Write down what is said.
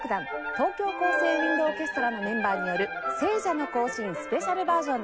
東京佼成ウインドオーケストラのメンバーによる『聖者の行進』スペシャルバージョンです。